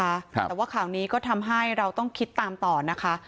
อันนี้ก็ทำให้เราต้องคิดตามต่อนะคะ